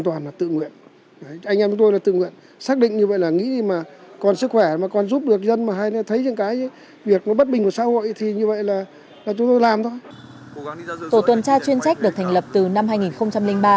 tổ tuần tra chuyên trách được thành lập từ năm hai nghìn một mươi năm